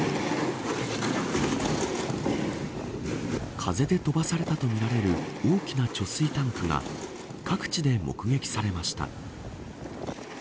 風で飛ばされたとみられる大きな貯水タンクが各地で目撃されました。